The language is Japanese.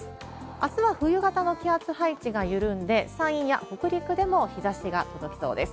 あすは冬型の気圧配置が緩んで、山陰や北陸でも日ざしが届きそうです。